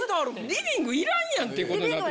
リビングいらんやんっていう事になってくる。